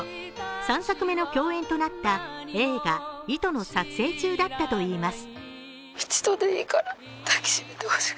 ３作目の共演となった映画「糸」の撮影中だったといいます。